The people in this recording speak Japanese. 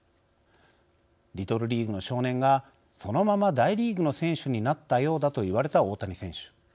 リトルリーグの少年が、そのまま大リーグの選手になったようだといわれた大谷選手。